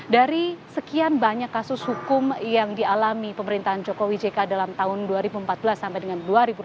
dari sekian banyak kasus hukum yang dialami pemerintahan jokowi jk dalam tahun dua ribu empat belas sampai dengan dua ribu delapan belas